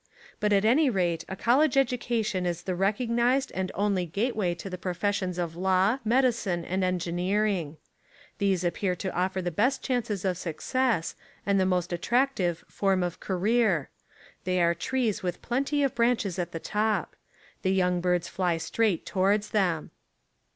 But at any rate a college education is the recognised and only gateway to the professions of law, medi cine and engineering. These appear to offer the best chances of success and the most attrac tive form of career. They are trees with plenty of branches at the top. The young birds fly straight towards them.